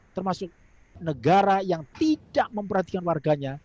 termasuk negara yang tidak memperhatikan warganya